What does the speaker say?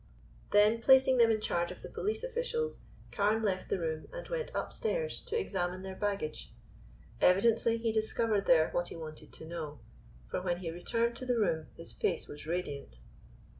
Then placing them in charge of the police officials, Carne left the room and went upstairs to examine their baggage. Evidently he discovered there what he wanted to know, for when he returned to the room his face was radiant.